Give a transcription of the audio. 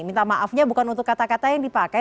minta maafnya bukan untuk kata kata yang dipakai